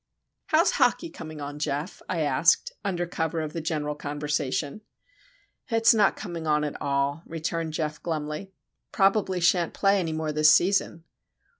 "How's hockey coming on, Geof?" I asked, under cover of the general conversation. "It's not coming on at all," returned Geof, glumly. "Probably shan't play any more this season."